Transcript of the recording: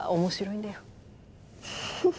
フフフ。